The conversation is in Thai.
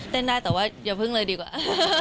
ได้แต่ว่าอย่าพึ่งเลยดีกว่า